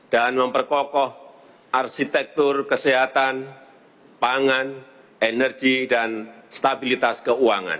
dan memperkokoh arsitektur kesehatan pangan energi dan stabilitas keuangan